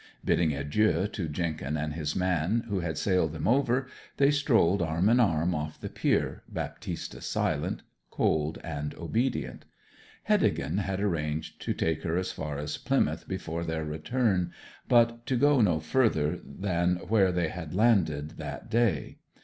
Bidding adieu to Jenkin and his man, who had sailed them over, they strolled arm in arm off the pier, Baptista silent, cold, and obedient. Heddegan had arranged to take her as far as Plymouth before their return, but to go no further than where they had landed that day.